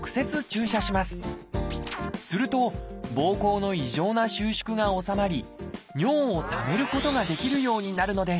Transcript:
するとぼうこうの異常な収縮が収まり尿をためることができるようになるのです。